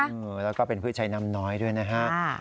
เออแล้วก็เป็นพืชใช้น้ำน้อยด้วยนะฮะ